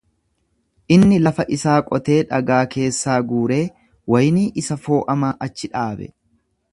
Inni lafa isaa qotee dhagaa keessaa guuree waynii isa fo'amaa achi dhaabe.